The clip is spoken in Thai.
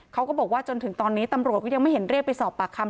เขาก็บอกว่าจนถึงตอนนี้ตำรวจก็ยังไม่เห็นเรียกไปสอบปากคำ